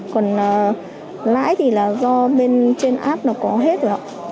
còn lãi thì là do bên trên app nó có hết rồi ạ